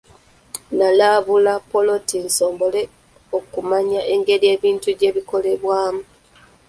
Nalambula ppoloti nsobole okumanya engeri ebintu gye bikolebwamu.